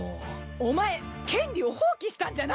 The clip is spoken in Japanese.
お前権利を放棄したんじゃないの？